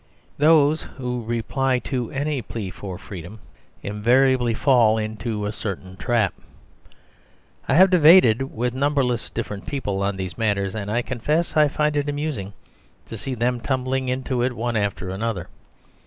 Those who reply to any plea for freedom invariably fall into a certain trap. I have debated with numberless different people on these matters, and I confess I find it amusing to see them tumbling into it one after another.